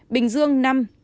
bình dương năm ca nhiễm